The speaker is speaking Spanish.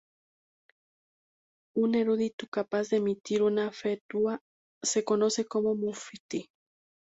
Un erudito capaz de emitir una fetua se conoce como muftí.